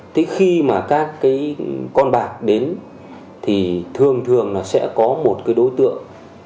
thế khi mà các con bạc đến thì thường thường sẽ có một đối tượng